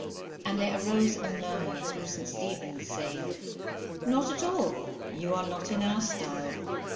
And there arose a murmur through St. Stephen's, saying, Not at all, you are not in our style.